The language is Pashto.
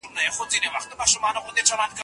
هغه په ډېر مهارت سره خبري کوي.